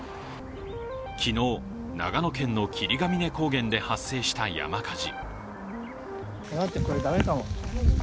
昨日、長野県の霧ヶ峰高原で発生した山火事。